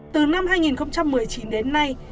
từ năm hai nghìn một mươi chín đến nay